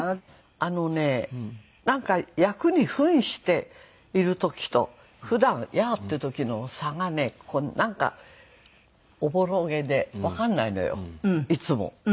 あのねなんか役に扮している時と普段「やあ」って言う時の差がねなんかおぼろげでわかんないのよいつも。